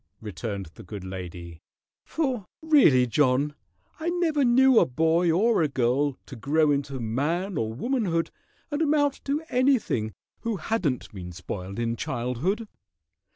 returned the good lady, "for really, John, I never knew a boy or a girl to grow into man or womanhood and amount to anything who hadn't been spoiled in childhood.